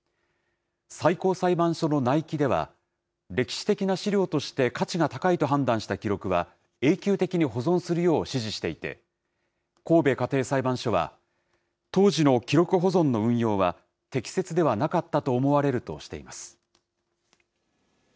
最高裁判所の内規では、歴史的な資料として価値が高いと判断した記録は、永久的に保存するよう指示していて、神戸家庭裁判所は、当時の記録保存の運用は、適切ではなかったと思われるとしています。